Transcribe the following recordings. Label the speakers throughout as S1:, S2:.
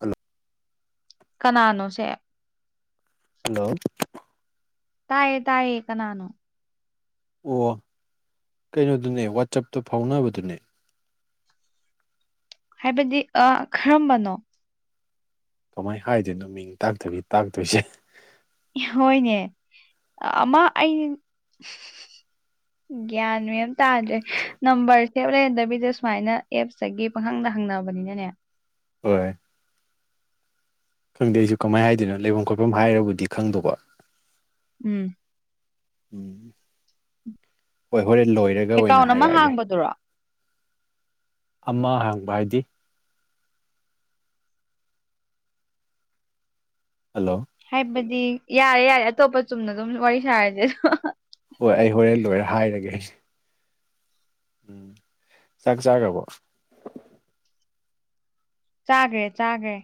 S1: hello
S2: ꯀꯅꯥꯅꯣꯁꯦ
S1: hello
S2: ꯇꯌꯦ ꯇꯌꯦ ꯀꯅꯥꯅꯣ
S1: ꯑꯣ ꯀꯩꯅꯣꯗꯨꯅꯦ ꯋꯥꯆꯞꯇꯣ ꯐꯥꯎꯅꯕꯗꯨꯅꯦ
S2: ꯍꯥꯏꯕꯗꯤ ꯑ ꯀꯔꯝꯕꯅꯣ
S1: ꯀꯃꯥꯏꯅ ꯍꯥꯏꯗꯣꯏꯅꯣ ꯃꯤꯡ ꯇꯥꯛꯇꯕꯤ ꯇꯥꯛꯇꯣꯏꯁꯦ
S2: ꯍꯣꯏꯅꯦ ꯑꯃ ꯑꯩꯅ ꯒꯌ꯭ꯥꯟ ꯃꯦꯟ ꯇꯥꯗ꯭ꯔꯦ ꯅꯝꯕꯔ ꯁꯦ ꯂꯩꯔꯗꯕꯤꯗ ꯁꯨꯃꯥꯏꯅ ꯑꯦꯞꯁꯇꯒꯤ ꯄꯪꯈꯪꯗ ꯍꯪꯅꯕꯅꯤꯅꯅꯦ
S1: ꯍꯣꯏ ꯈꯪꯗꯦ ꯑꯩꯁꯨ ꯀꯃꯥꯏꯅ ꯍꯥꯏꯗꯣꯏꯅꯣ ꯂꯩꯐꯝ ꯈꯣꯠꯐꯝ ꯍꯥꯏꯔꯕꯨꯗꯤ ꯈꯪꯗꯕ
S2: ꯎꯝ
S1: ꯎꯝ ꯍꯣꯏ ꯍꯣꯔꯦꯟ ꯂꯣꯏꯔ
S2: ꯑꯦꯀꯥꯎꯟ ꯑꯃ ꯍꯥꯡꯕꯗꯨꯔꯣ
S1: ꯑꯃ ꯍꯥꯡꯕ ꯍꯥꯏꯗꯤ ꯍꯜꯂꯣ
S2: ꯍꯥꯏꯕꯗꯤ ꯌꯥꯔꯦ ꯌꯥꯔꯦ ꯑꯇꯣꯞꯄ ꯆꯨꯝꯅ ꯑꯗꯨꯝ ꯋꯥꯔꯤ ꯁꯥꯔꯁꯦ
S1: ꯍꯣꯏ ꯑꯩ ꯍꯣꯔꯦꯟ ꯂꯣꯏꯔꯦ ꯍꯥꯏꯔꯒꯦ ꯑꯩ ꯎꯝ ꯆꯥꯛ ꯆꯥꯈꯕꯣ
S2: ꯆꯥꯒꯔꯦ ꯆꯥꯒꯔꯦ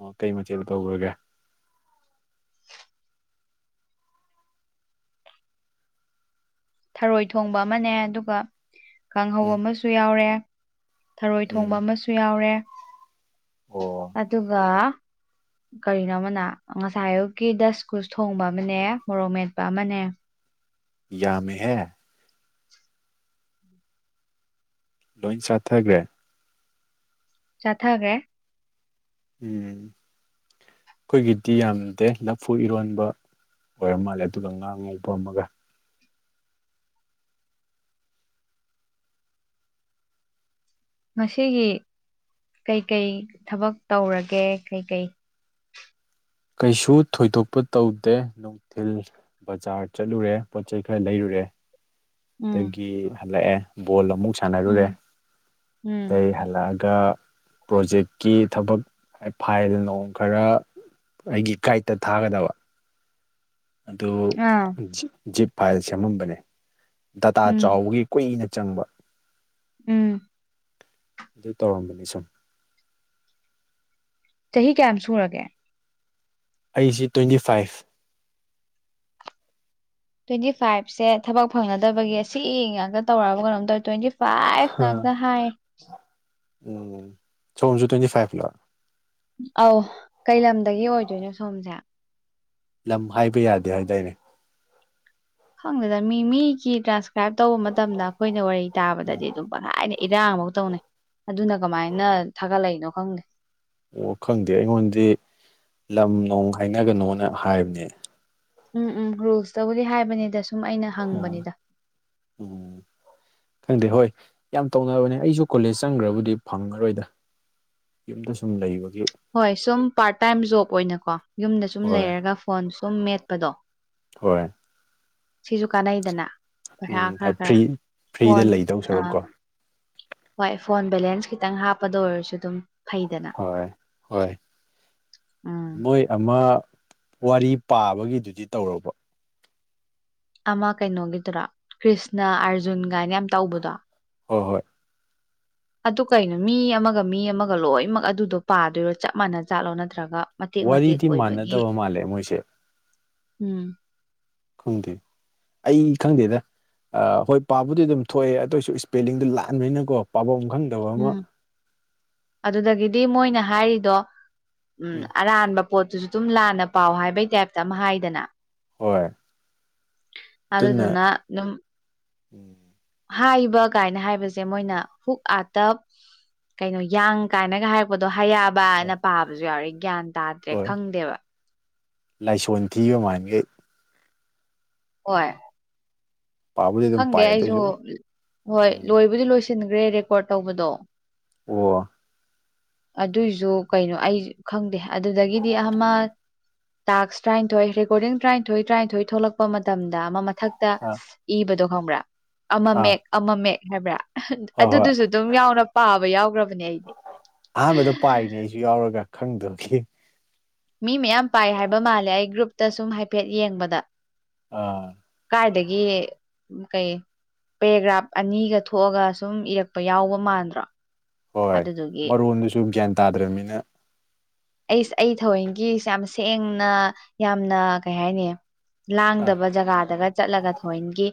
S1: ꯑꯣ ꯀꯩ ꯃꯆꯦꯜꯗ ꯇꯧꯈ꯭ꯔꯒꯦ
S2: ꯊꯔꯣꯏ ꯊꯣꯡꯕ ꯑꯃꯅꯦ ꯑꯗꯨꯒꯥ ꯀꯥꯡꯍꯧ
S1: ꯎꯝ
S2: ꯑꯃꯁꯨ ꯌꯥꯎꯔꯦ ꯊꯔꯣꯏ
S1: ꯎꯝ
S2: ꯊꯣꯡꯕ ꯑꯃꯁꯨ ꯌꯥꯎꯔꯦ
S1: ꯑꯣ
S2: ꯑꯗꯨꯒꯥ
S1: [inaudible]
S2: ꯀꯔꯤꯅꯣ ꯑꯃꯅ ꯉꯁꯥꯏ ꯑꯌꯨꯛꯀꯤ ꯗꯁ ꯀꯨꯁ ꯊꯣꯡꯕ ꯑꯃꯅꯦ ꯃꯣꯔꯣꯛ ꯃꯦꯠꯄ ꯑꯃꯅꯦ
S1: ꯌꯥꯃꯤ ꯍꯦ ꯂꯣꯏ ꯆꯠꯊꯈ꯭ꯔꯦ
S2: ꯆꯠꯍꯥꯈꯔ꯭ꯦ
S1: ꯎꯝ ꯑꯩꯈꯣꯏꯒꯤꯗꯤ ꯌꯥꯝꯗꯦ ꯂꯐꯨ ꯏꯔꯣꯟꯕ ꯑꯣꯏꯔ ꯃꯥꯜꯂꯦ ꯑꯗꯨꯒꯥ ꯉꯥ ꯉꯧꯕ ꯑꯃꯒꯥ
S2: ꯉꯁꯤꯒꯤ ꯀꯩꯀꯩ ꯊꯕꯛ ꯇꯧꯔꯒꯦ ꯀꯩꯀꯩ
S1: ꯀꯩꯁꯨ ꯊꯣꯏꯗꯣꯛꯄ ꯇꯧꯗꯦ ꯅꯨꯡꯊꯤꯜ ꯕꯖꯥꯔ ꯆꯠꯂꯨꯔꯦ ꯄꯣꯠ ꯆꯩꯩ ꯈꯔ ꯂꯩꯔꯨꯔꯦ
S2: ꯎꯝ
S1: ꯑꯗꯥꯒꯤ ꯍꯜꯂꯛꯑꯦ ꯕꯣꯜ ꯑꯃꯨꯛ ꯁꯥꯟꯅꯔꯨꯔꯦ
S2: ꯎꯝ ꯎꯝ
S1: ꯑꯗꯩ ꯍꯜꯂꯛꯑꯒꯥ ꯄ꯭ꯔꯣꯖꯦꯛꯀꯤ ꯊꯕꯛ ꯐꯥꯏꯜ ꯅꯣꯡ ꯈꯔ ꯑꯩꯒꯤ ꯒꯥꯥꯏꯠꯇꯥ ꯊꯥꯒꯗꯕ ꯑꯗꯨ
S2: ꯑꯥ
S1: ꯖꯤꯞ ꯐꯥꯏꯜ ꯁꯦꯝꯃꯝꯕꯅꯦ ꯗꯇꯥ
S2: ꯎꯝ
S1: ꯆꯥꯎꯕꯒꯤ ꯀꯨꯏꯅ ꯆꯪꯕ
S2: ꯎꯝ
S1: ꯑꯗꯨ ꯇꯧꯔꯝꯕꯅꯤ ꯁꯨꯝ
S2: ꯆꯍꯤ ꯀꯌꯥꯝ ꯁꯨꯔꯒꯦ
S1: ꯑꯩꯁꯤ ꯇ꯭ꯋꯦꯟꯇꯤ ꯐꯥꯏꯚ
S2: ꯇ꯭ꯋꯦꯟꯇꯤ ꯐꯥꯏꯚꯁꯦ ꯊꯕꯛ ꯐꯪꯅꯗꯕꯒꯤ ꯁꯤ ꯉꯥꯛꯇꯥ ꯇꯧꯔꯕ ꯀꯩꯅꯣꯝ ꯇꯧꯋꯦ ꯇ꯭ꯋꯦꯟꯇꯤ ꯐꯥꯏꯚ ꯉꯥꯛꯗꯥ ꯍꯥꯏ
S1: ꯎꯝ ꯁꯣꯝꯁꯨ ꯇ꯭ꯋꯦꯟꯇꯤ ꯐꯥꯏꯚ ꯂꯥ
S2: ꯑꯧ ꯀꯩ ꯂꯝꯗꯥꯒꯤ ꯑꯣꯏꯗꯣꯏꯅꯣ ꯁꯣꯝꯁꯦ
S1: ꯂꯝ ꯍꯥꯏꯕ ꯌꯥꯗꯦ ꯍꯥꯏꯗꯥꯏꯅꯦ
S2: ꯈꯪꯗꯦꯗꯥ ꯃꯤ ꯃꯤꯒꯤ ꯇ꯭ꯔꯥꯟꯁꯀ꯭ꯔꯥꯏꯞ ꯇꯧꯕ ꯃꯇꯝꯗꯥ ꯑꯩꯈꯣꯏꯅ ꯋꯥꯔꯤ ꯇꯥꯕꯗꯗꯤ ꯑꯗꯨꯝ ꯄꯪꯍꯥꯏꯗ ꯏꯔꯥꯡꯕꯧ ꯇꯧꯅꯩ ꯑꯗꯨꯅ ꯀꯃꯥꯏꯅ ꯊꯥꯒꯠꯂꯛꯏꯅꯣ ꯈꯪꯗꯦ
S1: ꯑꯣ ꯈꯪꯗꯦ ꯑꯩꯉꯣꯟꯗꯤ ꯂꯝ ꯅꯣꯡ ꯍꯥꯏꯅꯒꯥꯅꯣꯅ ꯍꯥꯏꯕꯅꯦ
S2: ꯎꯝ ꯎꯝ ꯔꯨꯜꯁꯇꯕꯨꯗꯤ ꯍꯥꯏꯕꯅꯤꯗꯥ ꯁꯨꯝ ꯑꯩꯅ
S1: ꯎꯝ
S2: ꯍꯪꯕꯅꯤꯗ
S1: ꯎꯝ ꯈꯪꯗꯦ ꯍꯣꯏ ꯌꯥꯝ ꯇꯧꯅꯕꯅꯦ ꯑꯩꯁꯨ ꯀꯣꯂꯦꯖ ꯆꯪꯒ꯭ꯔꯕꯨꯗꯤ ꯐꯪꯉꯔꯣꯏꯗꯥ ꯌꯨꯝꯗꯥ ꯁꯨꯝ ꯂꯩꯕꯒꯤ
S2: ꯍꯣꯏ ꯁꯨꯝ ꯄꯥꯔꯠ ꯇꯥꯏꯝ ꯖꯣꯕ ꯑꯣꯏꯅꯀꯣ ꯌꯨꯝꯗꯥ ꯁꯨꯝ
S1: ꯍꯣꯏ
S2: ꯂꯩꯔꯒꯥ ꯐꯣꯟ ꯁꯨꯝ ꯃꯦꯠꯄꯗꯣ
S1: ꯍꯣꯏ
S2: ꯁꯤꯖꯨ ꯀꯥꯟꯅꯩꯗꯅ ꯄꯩꯁꯥ
S1: ꯎꯝ
S2: ꯈꯔ ꯈꯔ
S1: ꯐ꯭ꯔꯤ ꯐ꯭ꯔꯤꯗ
S2: ꯐꯣꯟ
S1: ꯂꯩꯗꯧ
S2: ꯑꯥ
S1: ꯁꯔꯨꯛꯀꯣ
S2: ꯍꯣꯏ ꯐꯣꯟ ꯕꯦꯂꯦꯟꯁ ꯈꯤꯇꯪ ꯍꯥꯞꯄꯗꯥ ꯑꯣꯏꯔꯁꯨ ꯑꯗꯨꯝ ꯐꯩꯗꯅ
S1: ꯍꯣꯏ ꯍꯣꯏ
S2: ꯎꯝ
S1: ꯃꯣꯏ ꯑꯃ ꯋꯥꯔꯤ ꯄꯥꯕꯒꯤꯗꯨꯗꯤ ꯇꯧꯔꯕꯣ
S2: ꯑꯃ ꯀꯩꯅꯣꯒꯤꯗꯨꯔꯥ ꯀ꯭ꯔꯤꯁꯅ ꯑꯥꯔꯖꯨꯟꯒꯥꯏꯅ ꯌꯥꯝ ꯇꯧꯕꯗꯣ
S1: ꯍꯣꯏ ꯍꯣꯏ
S2: ꯑꯗꯨ ꯀꯩꯅꯣ ꯃꯤ ꯑꯃꯒꯥ ꯃꯤ ꯑꯃꯒꯥ ꯂꯣꯏꯅꯃꯛ ꯑꯗꯨꯗꯣ ꯄꯥꯗꯣꯏꯔꯣ ꯆꯞ ꯃꯅ ꯆꯥꯠꯂꯣ ꯅꯠꯇ꯭ꯔꯒꯥ ꯃꯇꯦꯛ ꯃꯇꯦꯛ
S1: ꯋꯥꯔꯤꯗꯤ
S2: ꯑꯣꯏꯕꯒꯤ
S1: ꯃꯥꯟꯅꯗꯕ ꯃꯥꯜꯂꯦ ꯃꯣꯏꯁꯦ
S2: ꯎꯝ
S1: ꯈꯪꯗꯦ ꯑꯩ ꯈꯪꯗꯦꯗꯥ ꯑꯥ ꯍꯣꯏ ꯄꯥꯕꯨꯗꯤ ꯑꯗꯨꯝ ꯊꯣꯛꯑꯦ ꯑꯗꯨ ꯑꯣꯏꯁꯨ ꯏꯁꯄꯦꯂꯤꯡꯗꯣ ꯂꯥꯟꯕꯅꯤꯅꯀꯣ ꯄꯥꯕꯝ ꯈꯪ
S2: ꯎꯝ ꯑꯗꯨꯗꯥꯒꯤꯗꯤ ꯃꯣꯏꯅ ꯍꯥꯏꯔꯤꯗꯣ ꯎꯝ ꯑꯔꯥꯟꯕ ꯄꯣꯠꯇꯨꯁꯨ ꯑꯗꯨꯝ ꯂꯥꯟꯅ ꯄꯥꯎ ꯍꯥꯏꯕꯩ ꯇꯥꯏꯞꯇ ꯑꯃ ꯍꯥꯏꯗꯅ
S1: ꯍꯣꯏ ꯑꯗꯨꯅ
S2: ꯑꯗꯨꯗꯨꯅ ꯑꯗꯨꯝ
S1: ꯎꯝ
S2: ꯍꯥꯏꯕ ꯀꯥꯏꯅ ꯍꯥꯏꯕꯁꯦ ꯃꯣꯏꯅ ꯍꯨꯛ ꯑꯥꯇꯞ ꯀꯩꯅꯣ ꯌꯥꯡ ꯀꯥꯏꯅꯒ ꯍꯥꯏꯔꯛꯄꯗꯣ
S1: ꯍꯣꯏ
S2: ꯍꯌꯥꯕꯅ ꯄꯥꯕꯁꯨ ꯌꯥꯎꯔꯏ ꯒ꯭ꯌꯥꯟ ꯇꯥꯗ꯭ꯔꯦ
S1: ꯍꯣꯏ
S2: ꯈꯪꯗꯦꯕ
S1: ꯂꯥꯏꯁꯣꯟ ꯊꯤꯕꯃꯥꯟꯈꯩ
S2: ꯍꯣꯏ
S1: ꯄꯥꯕꯨꯗꯤ ꯑꯗꯨꯝ
S2: ꯈꯪꯗꯦ
S1: ꯄꯥꯏ
S2: ꯑꯩꯁꯨ
S1: ꯑꯗꯨꯑꯣꯏꯁꯨ
S2: ꯍꯣꯏ
S1: ꯎꯝ
S2: ꯂꯣꯏꯕꯨꯗꯤ ꯂꯣꯏꯁꯟꯈ꯭ꯔꯦ ꯔꯦꯀꯣꯔꯠ ꯇꯧꯕꯗꯣ
S1: ꯑꯣ
S2: ꯑꯗꯨꯏꯖꯨ ꯀꯩꯅꯣ ꯑꯩ ꯈꯪꯗꯦ ꯑꯗꯨꯗꯥꯒꯤꯗꯤ ꯑꯃ ꯇꯥꯛꯁ ꯇꯔꯥꯅꯤꯊꯣꯏ ꯔꯦꯀꯣꯔꯗꯤꯡ ꯇꯔꯥꯅꯤꯊꯣꯏ ꯇꯔꯥꯅꯤꯊꯣꯏ ꯊꯣꯛꯂꯛꯄ ꯃꯇꯝꯗ ꯑꯃ ꯃꯊꯛ
S1: ꯑꯥ
S2: ꯏꯕꯗꯣ ꯈꯪꯕ꯭ꯔꯥ
S1: ꯑꯥ
S2: ꯑꯃꯃꯦꯛ ꯑꯃꯃꯦꯛ ꯍꯥꯏꯕ꯭ꯔꯥ
S1: ꯍꯣꯏ
S2: ꯑꯗꯨꯗꯨꯁꯨ ꯑꯗꯨꯝ ꯌꯥꯎꯅ ꯄꯥꯕ ꯌꯥꯎꯒ꯭ꯔꯝ
S1: ꯑꯍꯥꯟꯕꯗꯥ ꯄꯥꯏꯅꯦ ꯑꯩꯁꯨ ꯌꯥꯎꯔꯒꯥ ꯈꯪꯗꯥꯕꯒꯤ
S2: ꯃꯤ ꯃꯌꯥꯝ ꯄꯥꯏ ꯍꯥꯏꯕ ꯃꯥꯜꯂꯦ ꯑꯩ ꯒ꯭ꯔꯨꯞꯇꯥ ꯁꯨꯝ ꯍꯥꯏꯐꯦꯠ ꯌꯦꯡꯕꯗꯥ
S1: ꯑꯥ
S2: ꯀꯥꯏꯗꯒꯤ ꯀꯩ ꯄꯦꯔꯦꯒ꯭ꯔꯥꯐ ꯑꯅꯤꯒ ꯊꯣꯛꯑꯒ ꯁꯨꯝ ꯏꯔꯛꯄ ꯌꯥꯎꯕ ꯃꯥꯟꯕ
S1: ꯍꯣꯏ ꯃꯔꯣꯟꯗꯨꯁꯨ ꯒ꯭ꯌꯥꯟ ꯇꯥꯗ꯭ꯔꯅꯤꯅ
S2: ꯑꯩꯁ ꯑꯩ ꯊꯋꯦꯟꯒꯤꯁꯦ ꯌꯥꯝ ꯁꯦꯡꯅ ꯌꯥꯝꯅ ꯀꯩ ꯍꯥꯏꯅꯤ
S1: ꯑꯥ
S2: ꯂꯥꯡꯗꯕ ꯖꯒꯥꯗꯒ ꯆꯠꯂꯒ ꯊꯣꯏꯅꯒꯤ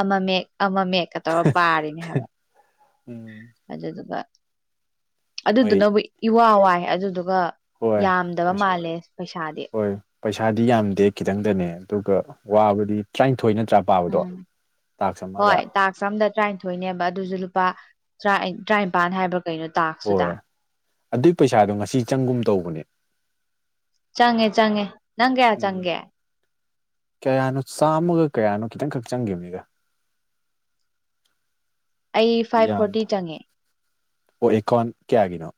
S2: ꯑꯃ ꯃꯌꯦꯛ ꯑꯃ ꯃꯌꯦꯛꯀ ꯇꯧꯔ ꯄꯥꯔꯤꯅꯦ ꯍꯥꯏꯕ
S1: ꯎꯝ
S2: ꯑꯗꯨꯗꯨꯒ
S1: ꯍꯣꯏ
S2: ꯑꯗꯨꯗꯨꯅꯕꯨ ꯏꯋꯥ ꯋꯥꯏ ꯑꯗꯨꯗꯨꯒ
S1: ꯍꯣꯏ
S2: ꯌꯥꯝꯗꯕ
S1: ꯄꯩꯁꯥ
S2: ꯃꯥꯜꯂꯦ ꯄꯩꯁꯥꯗꯤ
S1: ꯍꯣꯏ ꯄꯩꯁꯥꯗꯤ ꯌꯥꯝꯗꯦ ꯈꯤꯇꯪꯗꯅꯦ ꯑꯗꯨꯒ ꯋꯥꯕꯗꯤ ꯇꯔꯥꯅꯤꯊꯣꯏꯅ
S2: ꯎꯝ ꯍꯣꯏ ꯇꯥꯛꯁ ꯑꯃꯝꯗ ꯇꯔꯥꯅꯤꯊꯣꯏꯅꯦꯕ ꯑꯗꯨꯁꯨ ꯂꯨꯄꯥ ꯇꯔꯥꯏꯟ ꯇꯔꯥꯅꯤꯄꯥꯟ ꯍꯥꯏꯕ ꯀꯩꯅꯣ ꯇꯥ
S1: ꯍꯣꯏ ꯑꯗꯨꯒꯤ ꯄꯩꯁꯥꯗꯣ ꯉꯁꯤ ꯆꯪꯒꯨꯝ ꯇꯧꯕꯅꯦ
S2: ꯆꯪꯉꯦ ꯆꯪꯉꯦ ꯅꯪ ꯀꯌꯥ
S1: ꯎꯝ
S2: ꯆꯪꯒꯦ
S1: ꯀꯌꯥꯅꯣ ꯆꯥꯝꯃꯒ ꯀꯌꯥꯅꯣ ꯈꯤꯇꯪꯈꯛ ꯆꯪꯒꯤꯕꯅꯤꯗ
S2: ꯑꯩ ꯐꯥꯏꯚ
S1: ꯌꯥꯝ
S2: ꯐꯣꯔꯇꯤ ꯆꯪꯉꯦ
S1: ꯑꯣ ꯑꯦꯀꯥꯎꯟ ꯀꯌꯥꯒꯤꯅꯣ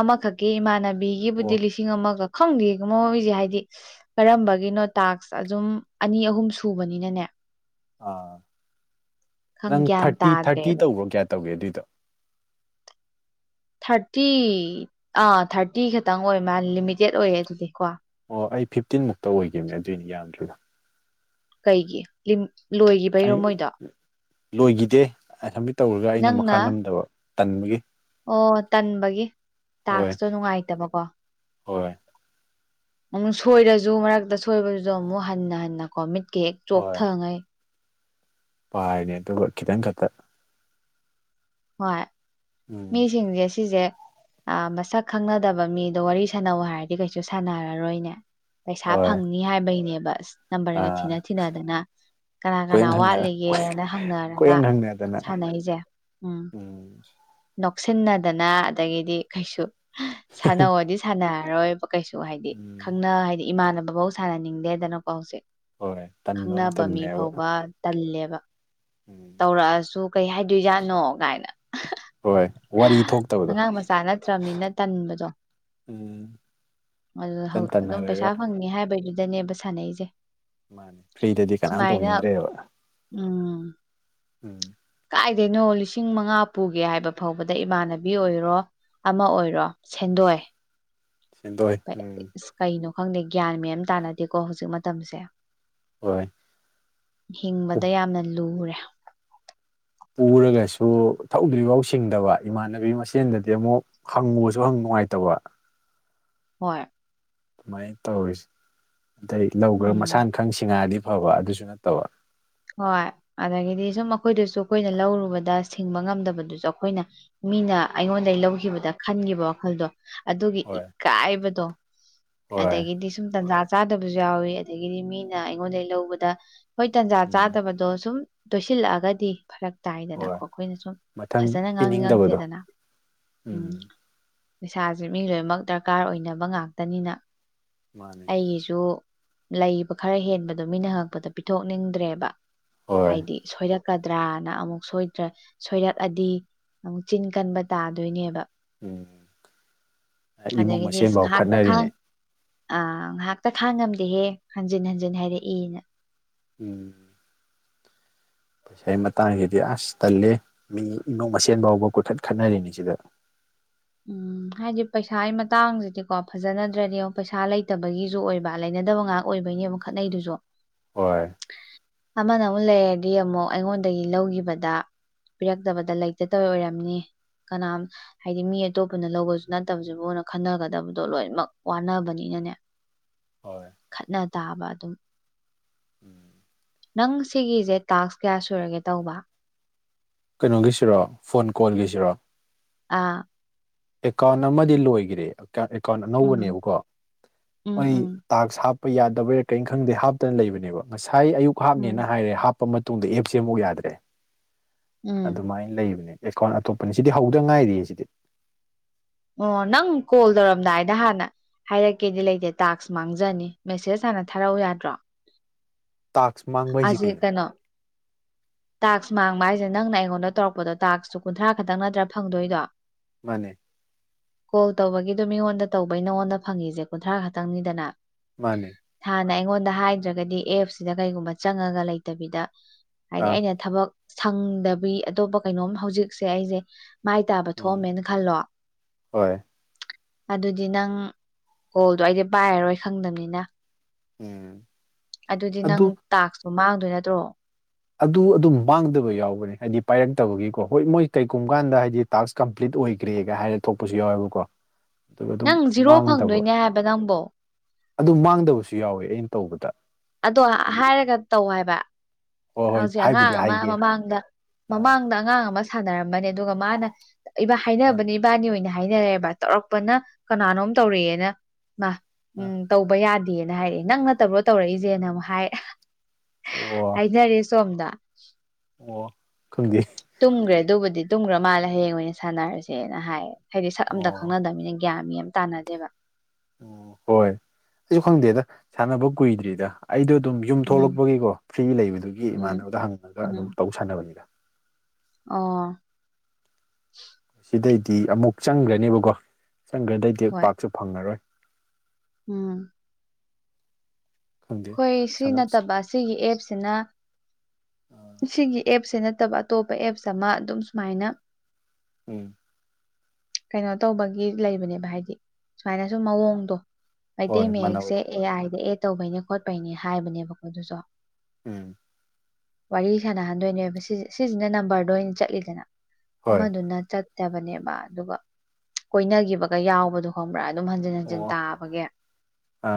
S2: ꯑꯃꯈꯛꯀꯤ ꯏꯃꯥꯟꯅꯕꯤꯒꯤꯕꯨꯗꯤ
S1: ꯑꯣ
S2: ꯂꯤꯁꯤꯡ ꯑꯃꯒ ꯈꯪꯗꯦ ꯃ ꯃꯣꯏꯁꯦ ꯍꯥꯏꯗꯤ ꯀꯔꯝꯕꯒꯤꯅꯣ ꯇꯥꯛꯁ ꯑꯗꯨꯝ ꯑꯅꯤ ꯑꯍꯨꯝ ꯁꯨꯕꯅꯤꯅꯅꯦ
S1: ꯑꯥ
S2: ꯈꯪ
S1: ꯅꯪ
S2: ꯒ꯭ꯌꯥꯟ
S1: ꯊꯥꯔꯇꯤ ꯊꯥꯔꯇꯤ
S2: ꯇꯥꯗ꯭ꯔꯦꯕ
S1: ꯇꯧꯕ꯭ꯔꯣ ꯀꯌꯥ ꯇꯧꯒꯦ ꯑꯗꯨꯏꯗꯣ
S2: ꯊꯥꯔꯇꯤ ꯑꯥ ꯊꯥꯔꯇꯤ ꯈꯇꯪ ꯑꯣꯏ ꯃꯥ ꯂꯤꯃꯤꯇꯦꯠ ꯑꯣꯏꯌꯦ ꯑꯗꯨꯗꯤ ꯀꯣ
S1: ꯑꯣ ꯑꯩ ꯐꯤꯞꯇꯤꯟ ꯃꯨꯛꯇ ꯑꯣꯏꯈꯤꯕꯅꯦ ꯑꯗꯨꯏꯅꯤ ꯌꯥꯝꯗ꯭ꯔꯤꯗꯣ
S2: ꯀꯩꯒꯤ ꯂꯤꯝ ꯂꯣꯏꯒꯤꯕꯩꯔꯣ
S1: ꯑꯩ
S2: ꯃꯣꯏꯗꯣ
S1: ꯂꯣꯏꯈꯤꯗꯦ ꯑ ꯑꯦꯃꯤꯠ ꯇꯧꯔꯒ ꯑꯩꯅ
S2: ꯅꯪꯅ
S1: ꯃꯈꯥ ꯅꯝꯗꯕ ꯇꯟꯕꯒꯤ
S2: ꯑꯣ ꯇꯟꯕꯒꯤ
S1: ꯍꯣꯏ
S2: ꯇꯥꯛꯁꯇꯣ ꯅꯨꯡꯉꯥꯏꯇꯕꯀꯣ
S1: ꯍꯣꯏ
S2: ꯑꯃꯨꯛ ꯁꯣꯏꯔꯁꯨ ꯃꯔꯛꯇ ꯁꯣꯏꯕꯗꯨꯁꯨ ꯑꯃꯨꯛ ꯍꯟꯅ ꯍꯟꯅꯀꯣ ꯃꯤꯠꯀ ꯍꯦꯛ ꯆꯣꯛꯊꯉꯩ
S1: ꯄꯥꯏꯅꯦ ꯑꯗꯨꯒ ꯈꯤꯇꯪ ꯈꯛꯇ
S2: ꯍꯣꯏ
S1: ꯎꯝ
S2: ꯃꯤꯁꯤꯡꯁꯦ ꯁꯤꯖꯦ ꯑ ꯃꯁꯛ ꯈꯪꯅꯗꯕ ꯃꯤꯗꯣ ꯋꯥꯔꯤ ꯁꯥꯟꯅꯧ ꯍꯥꯏꯔꯗꯤ ꯀꯩꯁꯨ ꯁꯥꯟꯅꯔꯔꯣꯏꯅꯦ ꯄꯩꯁꯥ
S1: ꯍꯣꯏ
S2: ꯐꯪꯅꯤ ꯍꯥꯏꯕꯩꯅꯦꯕ ꯅꯝꯕꯔꯒ
S1: ꯑꯥ
S2: ꯊꯤꯅ ꯊꯤꯅꯗꯅ ꯀꯅꯥ ꯀꯅꯥ
S1: ꯀꯣꯏꯍꯪ ꯍꯪꯅ
S2: ꯋꯥꯠꯂꯤꯒꯦꯅ ꯍꯪꯅꯔꯒ
S1: ꯀꯣꯏꯍꯪ ꯍꯪꯅꯗꯅ
S2: ꯁꯥꯟꯅꯩꯁꯦ ꯎꯝ ꯅꯣꯛꯁꯤꯟꯅꯗꯅ ꯑꯗꯒꯤꯗꯤ ꯀꯩꯁꯨ ꯁꯥꯟꯅꯧꯑꯣꯗꯤ ꯁꯥꯟꯅꯔꯔꯣꯏꯕ ꯀꯩꯁꯨ ꯍꯥꯏꯗꯤ
S1: ꯎꯝ
S2: ꯈꯪꯅ ꯍꯥꯏꯗꯤ ꯏꯃꯥꯟꯅꯕ ꯐꯧ ꯁꯥꯟꯅꯅꯤꯡꯗꯦꯗꯅꯀꯣ ꯍꯧꯖꯤꯛ
S1: ꯍꯣꯏ ꯇꯟꯕ
S2: ꯈꯪꯅꯕ ꯃꯤ
S1: ꯃꯇꯝꯅꯦꯕ
S2: ꯐꯥꯎꯕ ꯇꯜꯂꯦꯕ
S1: ꯎꯝ
S2: ꯇꯧꯔꯛꯑꯁꯨ ꯀꯩ ꯍꯥꯏꯗꯣꯏꯖꯥꯠꯅꯣ ꯀꯥꯏꯅ
S1: ꯍꯣꯏ ꯋꯥꯔꯤ ꯊꯣꯛꯇꯕꯗꯣ
S2: ꯑꯉꯥꯡ ꯃꯆꯥ ꯅꯠꯇ꯭ꯔꯕꯅꯤꯅ ꯇꯟꯕꯗꯣ
S1: ꯎꯝ
S2: ꯑꯗꯨ
S1: ꯏꯇꯟ
S2: ꯍꯧ ꯑꯗꯨꯝ
S1: ꯇꯟꯅꯔꯒ
S2: ꯄꯩꯁꯥ ꯐꯪꯉꯦ ꯍꯥꯏꯕꯩꯗꯨꯗꯅꯦꯕ ꯁꯥꯟꯅꯩꯁꯦ
S1: ꯃꯥꯅꯦ ꯐ꯭ꯔꯤꯗꯗꯤ ꯀꯅꯥꯝ
S2: ꯁꯨꯃꯥꯏꯅ
S1: ꯇꯧꯅꯤꯡꯗ꯭ꯔꯦꯕ
S2: ꯎꯝ
S1: ꯎꯝ
S2: ꯀꯥꯏꯗꯩꯅꯣ ꯂꯤꯁꯤꯡ ꯃꯉꯥ ꯄꯨꯒꯦ ꯍꯥꯏꯕ ꯐꯥꯎꯕꯗ ꯏꯃꯥꯟꯅꯕꯤ ꯑꯣꯏꯔꯣ ꯑꯃ ꯑꯣꯏꯔꯣ ꯁꯦꯟꯗꯣꯏ
S1: ꯁꯦꯟꯗꯣꯏ ꯎꯝ
S2: ꯀꯩꯅꯣ ꯈꯪꯗꯦ ꯒ꯭ꯌꯥꯟ ꯃꯦꯟ ꯑꯃꯥ ꯇꯥꯅꯗꯦꯀꯣ ꯍꯧꯖꯤꯛ ꯃꯇꯝꯁꯦ
S1: ꯍꯣꯏ
S2: ꯍꯤꯡꯕꯗ ꯌꯥꯝꯅ ꯂꯨꯔꯦ
S1: ꯄꯨꯔꯒꯁꯨ ꯊꯧꯗ꯭ꯔꯤꯐꯥꯎ ꯁꯤꯡꯗꯕ ꯏꯃꯥꯟꯅꯕꯤ ꯃꯁꯦꯟꯗꯗꯤ ꯑꯃꯨꯛ ꯍꯪꯉꯨꯁꯨ ꯍꯪ ꯅꯨꯡꯉꯥꯏꯇꯕ
S2: ꯍꯣꯏ
S1: ꯑꯗꯨꯃꯥꯏꯅ ꯇꯧꯔꯤꯁꯦ ꯑꯗꯩ ꯂꯧꯈ꯭ꯔ
S2: ꯎꯝ
S1: ꯃꯁꯥꯅ ꯈꯪ ꯁꯤꯡꯉꯛꯑꯗꯤ ꯐꯕ ꯑꯗꯨꯁꯨ ꯅꯠꯇꯕ
S2: ꯍꯣꯏ ꯑꯗꯒꯤꯗꯤ ꯁꯨꯝ ꯑꯩꯈꯣꯏꯗꯁꯨ ꯑꯩꯈꯣꯏꯅ ꯂꯧꯔꯨꯕꯗ ꯁꯤꯡꯕ ꯉꯝꯗꯕꯗꯨꯁꯨ ꯑꯩꯈꯣꯏꯅ ꯃꯤꯅ ꯑꯩꯉꯣꯟꯗꯒꯤ ꯂꯧꯈꯤꯕꯗ ꯈꯟꯈꯤꯕ ꯋꯥꯈꯜꯗꯣ ꯑꯗꯨꯒꯤ
S1: ꯍꯣꯏ
S2: ꯏꯀꯥꯏꯕꯗꯣ
S1: ꯍꯣꯏ
S2: ꯑꯗꯒꯤꯗꯤ ꯁꯨꯝ ꯇꯟꯖꯥ ꯆꯥꯗꯕꯁꯨ ꯌꯥꯎꯋꯤ ꯑꯗꯒꯤꯗꯤ ꯃꯤꯅ ꯑꯩꯉꯣꯟꯗꯒꯤ ꯂꯧꯕꯗ ꯍꯣꯏ ꯇꯟꯖꯥ
S1: ꯎꯝ
S2: ꯆꯥꯗꯕꯗꯣ ꯁꯨꯝ ꯇꯣꯏꯁꯤꯜꯂꯛꯑꯒꯗꯤ ꯐꯔꯛ ꯇꯥꯏꯗꯅꯀꯣ
S1: ꯍꯣꯏ
S2: ꯑꯩꯈꯣꯏꯅ ꯁꯨꯝ
S1: ꯃꯊꯪ
S2: ꯐꯖꯅ
S1: ꯄꯤꯅꯤꯡꯗꯕꯗꯣ
S2: ꯉꯥꯡꯅꯤꯡꯉꯛꯇꯦꯗꯅ ꯎꯝ ꯄꯩꯁꯥꯁꯦ ꯃꯤ ꯂꯣꯏꯅꯃꯛ ꯗꯔꯀꯥꯔ ꯑꯣꯏꯅꯕ ꯉꯥꯛꯇꯅꯤꯅ
S1: ꯃꯥꯅꯦ
S2: ꯑꯩꯒꯤꯁꯨ ꯂꯩꯕ ꯈꯔ ꯍꯦꯟꯕꯗꯣ ꯃꯤꯅ ꯍꯪꯛꯄꯗ ꯄꯤꯊꯣꯛꯅꯤꯡꯗ꯭ꯔꯦꯕ
S1: ꯍꯣꯏ
S2: ꯍꯥꯏꯗꯤ ꯁꯣꯏꯔꯛꯀꯗ꯭ꯔꯥꯅ ꯑꯃꯨꯛ ꯁꯣꯏꯗ꯭ꯔ ꯁꯣꯏꯔꯛꯑꯗꯤ ꯑꯃꯨꯛ ꯆꯤꯟ ꯀꯟꯕ ꯇꯥꯗꯣꯏꯅꯦꯕ
S1: ꯎꯝ ꯏꯃꯨꯡ
S2: ꯑꯗꯒꯤꯗꯤ ꯏꯁ
S1: ꯃꯁꯦꯟꯐꯥꯎ
S2: ꯉꯍꯥꯛꯇ
S1: ꯈꯠꯅꯔꯤꯅꯦ
S2: ꯢꯡ ꯑ ꯉꯥꯏꯍꯥꯛꯇ ꯈꯥꯡꯉꯝꯗꯦꯍꯦ ꯍꯟꯖꯤꯟ ꯍꯟꯖꯤꯟ ꯍꯥꯏꯔꯛꯏꯅ
S1: ꯎꯝ ꯄꯁꯥꯒꯤ ꯃꯇꯥꯡꯁꯤꯗꯤ ꯑꯁ ꯇꯜꯂꯦ ꯃꯤ ꯏꯃꯨꯡ ꯃꯁꯦꯟ ꯐꯥꯎꯕ ꯀꯨꯊꯠ ꯈꯠꯅꯔꯤꯅꯤ ꯁꯤꯗ
S2: ꯎꯝ ꯍꯥꯏꯗꯤ ꯄꯩꯁꯥꯒꯤ ꯃꯇꯥꯡꯁꯤꯗꯤꯀꯣ ꯐꯖꯅꯗ꯭ꯔꯗꯤ ꯌꯣ ꯄꯩꯁꯥ ꯂꯩꯇꯕꯒꯤꯁꯨ ꯑꯣꯏꯕ ꯂꯩꯅꯗꯕ ꯉꯥꯛ ꯑꯣꯏꯕꯩꯅꯦꯕ ꯈꯠꯅꯩꯗꯨꯁꯨ
S1: ꯍꯣꯏ
S2: ꯑꯃꯅ ꯑꯃꯨꯛ ꯂꯩꯔꯗꯤ ꯑꯃꯨꯛ ꯑꯩꯉꯣꯟꯗꯒꯤ ꯂꯧꯈꯤꯕꯗ ꯄꯤꯔꯛꯇꯕꯗ ꯂꯩꯇꯇꯧꯔꯤ ꯑꯣꯏꯔꯝꯅꯤ ꯀꯅꯥꯝ ꯍꯥꯏꯗꯤ ꯃꯤ ꯑꯇꯣꯞꯄꯅ ꯂꯧꯕꯁꯨ ꯅꯠꯇꯕꯁꯤꯕꯨꯅ ꯈꯟꯅꯒꯗꯕꯗꯣ ꯂꯣꯏꯅꯃꯛ ꯋꯥꯅꯕꯅꯤꯅꯅꯦ
S1: ꯍꯣꯏ
S2: ꯈꯠꯅ ꯇꯥꯕ ꯑꯗꯨꯝ ꯅꯪ ꯁꯤꯒꯤꯁꯦ ꯇꯥꯛꯁ ꯀꯌꯥ ꯁꯨꯔꯒꯦ ꯇꯧꯕ
S1: ꯀꯩꯅꯣꯒꯤꯁꯤꯔꯣ ꯐꯣꯟ ꯀꯣꯜꯒꯤꯁꯤꯔꯣ
S2: ꯑ
S1: ꯑꯦꯀꯥꯎꯟ ꯑꯃꯗꯤ ꯂꯣꯏꯈꯔꯦ ꯑꯦꯀꯥꯎꯟ
S2: ꯎꯝ
S1: ꯑꯅꯧꯕꯅꯦꯕꯀꯣ
S2: ꯎꯝ
S1: ꯑꯣꯏ
S2: ꯎꯝ
S1: ꯇꯥꯛꯁ ꯍꯥꯞꯄ ꯌꯥꯗꯕꯔ ꯀꯩꯅꯣ ꯈꯪꯗꯦ ꯍꯥꯞꯇꯅ ꯂꯩꯕꯅꯦꯕ ꯉꯁꯥꯏ ꯑꯌꯨꯛ
S2: ꯎꯝ
S1: ꯍꯥꯞꯅꯦꯅ ꯍꯥꯏꯔꯦ ꯍꯥꯞ ꯃꯇꯨꯡꯗ ꯑꯦꯞꯁ ꯑꯃꯨꯛ ꯌꯥꯗ꯭ꯔꯦ
S2: ꯎꯝ
S1: ꯑꯗꯨꯃꯥꯏꯅ ꯂꯩꯕꯅꯦ ꯑꯦꯁꯀꯥꯎꯟ ꯑꯇꯣꯞꯄꯅꯤ ꯁꯤꯗꯤ ꯍꯧꯗ ꯉꯥꯏꯔꯤ ꯁꯤꯗꯤ
S2: ꯑꯣ ꯅꯪ ꯀꯣꯜ ꯇꯧꯔꯝꯗꯥꯏꯗ ꯍꯥꯟꯅ ꯍꯥꯏꯔꯛꯀꯦꯗꯤ ꯂꯩꯇꯦ ꯇꯥꯛꯁ ꯃꯥꯡꯖꯅꯤ ꯃꯦꯁꯦꯁ ꯍꯥꯟꯅ ꯊꯥꯔꯛꯎ ꯌꯥꯗ꯭ꯔꯣ
S1: ꯇꯥꯛꯁ ꯃꯥꯡꯕ ꯍꯥꯏꯁꯤ
S2: ꯑꯁꯤ ꯀꯩꯅꯣ
S1: [inaudible]
S2: ꯇꯥꯛꯁ ꯃꯥꯡꯕ ꯍꯥꯏꯁꯦ ꯅꯪꯅ ꯑꯩꯉꯣꯟꯗ ꯇꯧꯔꯛꯄꯗꯣ ꯇꯥꯛꯁꯁꯨ ꯀꯨꯟꯊ꯭ꯔꯥ ꯈꯛꯇꯪ ꯅꯠꯇ꯭ꯔꯥ ꯐꯪꯗꯣꯏꯗꯣ
S1: ꯃꯥꯅꯤ
S2: ꯀꯣꯜ ꯇꯧꯕꯒꯤꯗꯣ ꯃꯤꯉꯣꯟꯗ ꯇꯧꯕꯩ ꯅꯉꯣꯟꯗ ꯐꯪꯉꯤꯁꯦ ꯀꯨꯟꯊ꯭ꯔꯥ ꯈꯛꯇꯪꯅꯤꯗꯅ
S1: ꯃꯥꯅꯦ
S2: ꯍꯥꯟꯅ ꯑꯩꯉꯣꯟꯗ ꯍꯥꯏꯗ꯭ꯔꯒꯗꯤ ꯑꯦꯞꯁꯤꯗ ꯀꯩꯒꯨꯝꯕ ꯆꯪꯉꯒ ꯂꯩꯇꯕꯤꯗ ꯍꯥꯏꯗꯤ
S1: ꯑꯥ
S2: ꯑꯩꯅ ꯊꯕꯛ ꯁꯪꯗꯕꯤ ꯑꯇꯣꯞꯄ ꯀꯩꯅꯣꯝ ꯍꯧꯖꯤꯛꯁꯦ ꯑꯩꯁꯦ ꯃꯥꯏ ꯇꯥꯕ
S1: ꯎꯝ
S2: ꯊꯣꯛꯑꯝꯃꯦꯅ ꯈꯜꯂꯣ
S1: ꯍꯣꯏ
S2: ꯑꯗꯨꯗꯤ ꯅꯪ ꯀꯣꯜꯗꯣ ꯑꯩꯗꯤ ꯄꯥꯏꯔꯔꯣꯏ ꯈꯪꯗꯝꯅꯤꯅ
S1: ꯎꯝ
S2: ꯑꯗꯨꯗꯤ ꯅꯪ
S1: ꯑꯗꯨ
S2: ꯇꯥꯛꯁꯇꯨ ꯃꯥꯡꯗꯣꯏ ꯅꯠꯇ꯭ꯔꯣ
S1: ꯑꯗꯨ ꯑꯗꯨꯝ ꯃꯥꯡꯗꯕ ꯌꯥꯎꯕꯅꯦ ꯍꯥꯏꯗꯤ ꯄꯥꯏꯔꯛꯇꯕꯒꯤꯀꯣ ꯍꯣꯏ ꯃꯣꯏ ꯀꯩꯒꯨꯝꯕ ꯀꯥꯟꯗ ꯍꯥꯏꯗꯤ ꯇꯥꯛꯁ ꯀꯝꯄ꯭ꯂꯤꯠ ꯑꯣꯏꯈ꯭ꯔꯦꯒ ꯍꯥꯏꯅ ꯊꯣꯛꯄꯁꯨ ꯌꯥꯎꯋꯦꯕꯀꯣ ꯑꯗꯨꯒ ꯑꯗꯨꯝ
S2: ꯅꯪ ꯖꯤꯔꯣ
S1: ꯃꯥꯡꯗꯕ
S2: ꯐꯪꯗꯣꯏꯅꯦ ꯍꯥꯏꯕ ꯅꯪꯕꯣ
S1: ꯑꯗꯨ ꯃꯥꯡꯗꯕꯁꯨ ꯌꯥꯎꯋꯦ ꯑꯩꯅ ꯇꯧꯕꯗ
S2: ꯑꯗꯣ
S1: ꯍꯥꯏꯗꯤ
S2: ꯍꯥꯏꯔꯒ ꯇꯧ ꯍꯥꯏꯕ
S1: ꯍꯣꯏ ꯍꯣꯏ
S2: ꯍꯧꯖꯤꯛ
S1: ꯍꯥꯏꯕꯨꯗꯤ
S2: ꯑꯉꯥꯡ ꯑꯃ
S1: ꯍꯥꯏꯒꯦ
S2: ꯃꯃꯥꯡꯗ
S1: ꯑ
S2: ꯃꯃꯥꯡꯗ ꯑꯉꯥꯡ ꯑꯃ ꯁꯥꯟꯅꯔꯝꯕꯅꯦ ꯑꯗꯨꯒ ꯃꯥꯅ ꯏꯕꯥ
S1: ꯑ
S2: ꯍꯥꯏꯅꯕꯅꯦ ꯏꯕꯥꯅꯤ ꯑꯣꯏꯅ ꯍꯥꯏꯅꯔꯦꯕ ꯇꯧꯔꯛꯄꯅ ꯀꯅꯥꯅꯣꯝ ꯇꯧꯔꯛꯑꯦꯅ ꯃꯥ
S1: ꯑ
S2: ꯎꯝ ꯇꯧꯕ ꯌꯥꯗꯦ ꯍꯥꯏꯔꯛꯑꯦ ꯅꯪ ꯅꯠꯇ꯭ꯔꯕꯣ ꯇꯧꯔꯛꯏꯁꯦꯅ ꯑꯃꯨꯛ ꯍꯥꯏ
S1: ꯑꯣ
S2: ꯍꯥꯏꯅꯔꯦ ꯁꯣꯝꯗ
S1: ꯑꯣ ꯈꯪꯗꯦ
S2: ꯇꯨꯝꯈ꯭ꯔꯦ ꯑꯗꯨꯕꯨꯗꯤ ꯇꯨꯝꯈ꯭ꯔ ꯃꯥꯜꯂꯦ ꯍꯌꯦꯡ ꯑꯣꯏꯅ ꯁꯥꯟꯅꯔꯁꯦꯅ ꯍꯥꯏꯌꯦ ꯍꯥꯏꯗꯤ ꯁꯛ
S1: ꯑꯣ
S2: ꯑꯝꯇ ꯈꯪꯅꯗꯕꯅꯤꯅ ꯒ꯭ꯌꯥꯟ ꯃꯦꯠ ꯑꯃ ꯇꯥꯟꯅꯗꯦꯕ
S1: ꯑꯣ ꯍꯣꯏ ꯑꯩꯁꯨ ꯈꯪꯗꯦꯗ ꯁꯥꯟꯅꯕ ꯀꯨꯏꯗ꯭ꯔꯤꯗ ꯑꯩꯗꯣ ꯑꯗꯨꯝ ꯌꯨꯝ
S2: ꯎꯝ
S1: ꯊꯣꯛꯂꯛꯄꯒꯤꯀꯣ ꯐ꯭ꯔꯤ ꯂꯩꯕꯗꯨꯒꯤ
S2: ꯎꯝ
S1: ꯏꯃꯥꯟꯅꯕꯗ ꯍꯪꯉꯒ ꯑꯗꯨꯝ
S2: ꯎꯝ
S1: ꯇꯧ ꯁꯥꯟꯅꯕꯅꯤꯗ
S2: ꯑꯣ
S1: ꯁꯤꯗꯩꯗꯤ ꯑꯃꯨꯛ ꯆꯪꯒ꯭ꯔꯅꯦꯕꯀꯣ ꯆꯪꯒ꯭ꯔꯗꯩꯗꯤ
S2: ꯍꯣꯏ
S1: ꯄꯥꯛꯁꯨ ꯐꯪꯉꯔꯣꯏ
S2: ꯎꯝ
S1: ꯈꯪꯗꯦ
S2: ꯍꯣꯏ ꯁꯤ
S1: ꯁꯥꯟꯅꯞ
S2: ꯅꯠꯇꯕ ꯑꯁꯤꯒꯤ ꯑꯦꯞꯁꯤꯅ ꯁꯤꯒꯤ ꯑꯦꯞꯁꯦ ꯅꯠꯇꯕ ꯑꯇꯣꯞꯄ ꯑꯦꯞꯁ ꯑꯃ ꯑꯗꯨꯝ ꯁꯨꯃꯥꯏꯅ
S1: ꯎꯝ
S2: ꯀꯩꯅꯣ ꯇꯧꯕꯒꯤ ꯂꯩꯕꯅꯦꯕ ꯍꯥꯏꯗꯤ ꯁꯨꯃꯥꯏꯅꯁꯨ ꯃꯑꯣꯡꯗꯣ ꯃꯩꯇꯩ
S1: ꯍꯣꯏ
S2: ꯃꯌꯦꯛꯁꯦ
S1: ꯃꯥꯟꯅꯕꯗꯣ
S2: ꯑꯦ ꯑꯥꯏꯗ ꯑꯦꯠ ꯇꯧꯕꯩꯅꯦ ꯈꯣꯠꯄꯩꯅꯦ ꯍꯥꯏꯕꯅꯦꯕꯀꯣ ꯑꯗꯨꯁꯨ
S1: ꯎꯝ
S2: ꯋꯥꯔꯤ ꯁꯥꯟꯅꯍꯟꯗꯣꯏꯅꯦꯕ ꯁꯤꯁꯤꯅ ꯅꯝꯕꯔꯗꯣ ꯑꯣꯏꯅ ꯆꯠꯂꯤꯗꯅ
S1: ꯍꯣꯏ
S2: ꯑꯃꯗꯨꯅ ꯆꯠ ꯆꯠꯇꯕꯅꯦꯕ ꯑꯗꯨꯒ ꯀꯣꯏꯅꯒꯤꯕꯒ ꯌꯥꯎꯕꯗꯣ ꯈꯣꯕ꯭ꯔꯥ ꯑꯗꯨꯝ ꯍꯟꯖꯤꯟ ꯍꯟꯖꯤꯟ
S1: ꯑꯣ
S2: ꯇꯥꯕꯒꯤ
S1: ꯑ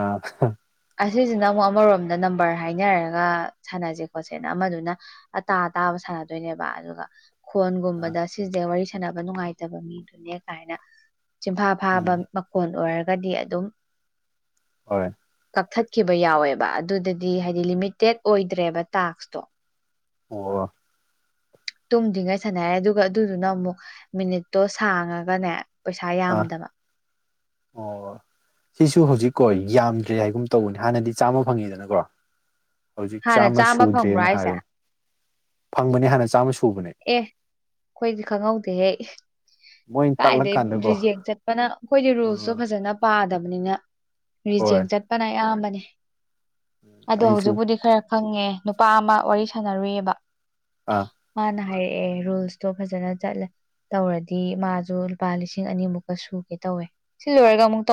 S2: ꯑꯁꯤꯁꯤꯅ ꯑꯃꯨꯛ ꯑꯃꯔꯣꯝꯗ ꯅꯝꯕꯔ ꯍꯥꯏꯅꯔꯒ ꯁꯥꯟꯅꯁꯦ ꯈꯣꯠꯁꯦ ꯑꯃꯗꯨꯅ ꯑꯇꯥ ꯑꯇꯥꯕ ꯁꯥꯟꯅꯗꯣꯏꯅꯦꯕ ꯑꯗꯨꯒ
S1: ꯑ
S2: ꯈꯣꯟꯒꯨꯝꯕꯗ ꯁꯤꯁꯦ ꯋꯥꯔꯤ ꯁꯅꯕ ꯅꯨꯡꯉꯥꯏꯇꯕ ꯃꯤꯗꯨꯅꯦ ꯀꯥꯏꯅ ꯆꯤꯟꯐꯥ ꯐꯥꯕ
S1: ꯎꯝ
S2: ꯈꯣꯟ ꯑꯣꯏꯔꯒꯗꯤ ꯑꯗꯨꯝ
S1: ꯍꯣꯏ
S2: ꯀꯛꯊꯠꯈꯤꯕ ꯌꯥꯎꯋꯦꯕ ꯑꯗꯨꯗꯗꯤ ꯍꯥꯏꯗꯤ ꯂꯤꯃꯤꯇꯦꯠ ꯑꯣꯏꯗ꯭ꯔꯦꯕ ꯇꯥꯛꯁꯇꯣ
S1: ꯑꯣ
S2: ꯇꯨꯝꯗ꯭ꯔꯤꯉꯩ ꯁꯥꯟꯅꯔꯦ ꯑꯗꯨꯒ ꯑꯗꯨꯗꯨꯅ ꯑꯃꯨꯛ ꯃꯤꯅꯤꯠꯇꯣ ꯁꯥꯡꯉꯒꯅꯦ ꯄꯩꯁꯥ
S1: ꯑ
S2: ꯌꯥꯝꯗꯕ
S1: ꯑꯣ ꯁꯤꯁꯨ ꯍꯧꯖꯤꯛꯀꯣ ꯌꯥꯝꯗ꯭ꯔꯦ ꯍꯥꯏꯒꯨꯝ ꯇꯧꯕꯅꯤ ꯍꯥꯟꯅꯗꯤ ꯆꯥꯝꯃ ꯐꯪꯉꯦꯗꯅꯀꯣ ꯍꯧꯖꯤꯛ
S2: ꯍꯥꯟꯅ
S1: ꯆꯥꯝꯃ
S2: ꯐꯪꯕ꯭ꯔꯣ
S1: ꯁꯨꯗ꯭ꯔꯦꯅ
S2: ꯍꯥꯏꯁꯦ ꯑꯦ
S1: ꯍꯥꯏꯕꯅꯦ ꯐꯪꯕꯅꯦ ꯍꯥꯟꯅ ꯆꯥꯝꯃ ꯁꯨꯕꯅꯦ
S2: ꯑꯦ ꯑꯩꯈꯣꯏꯗꯤ ꯈꯪꯍꯧꯗꯦꯍꯦ
S1: ꯃꯣꯏꯅ
S2: ꯀꯥꯏꯗꯩ
S1: ꯇꯥꯛꯂꯛꯀꯥꯟꯗꯀꯣ
S2: ꯔꯤꯖꯦꯛ ꯆꯠꯄꯅ ꯑꯩꯈꯣꯏꯗꯤ ꯔꯨꯜꯁꯇꯣ ꯐꯖꯅ ꯄꯥꯗꯕꯅꯤꯅ
S1: ꯍꯣꯏ
S2: ꯔꯤꯖꯦꯛ ꯆꯠꯄꯅ ꯑꯌꯥꯝꯕꯅꯤ ꯑꯗꯣ
S1: ꯑꯩꯁꯨ
S2: ꯍꯧꯖꯤꯛꯄꯨꯗꯤ ꯈꯔ ꯈꯪꯉꯦ ꯅꯨꯄꯥ ꯑꯃ ꯋꯥꯔꯤ ꯁꯥꯟꯅꯔꯨꯏꯑꯕ
S1: ꯑꯥ
S2: ꯃꯥꯅ ꯍꯥꯏꯔꯛꯑꯦ ꯔꯨꯜꯁꯇꯣ ꯐꯖꯅ ꯆꯠꯂꯦ ꯇꯧꯔꯗꯤ ꯃꯥꯖꯨ ꯂꯨꯄꯥ ꯂꯤꯁꯤꯡ ꯑꯅꯤꯃꯨꯛꯀ ꯁꯨꯒꯦ ꯇꯧꯋꯦ ꯁꯤ ꯂꯣꯏꯔꯒ ꯑꯃꯨꯛ ꯇꯧ